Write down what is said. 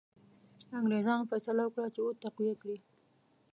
انګرېزانو فیصله وکړه چې اود تقویه کړي.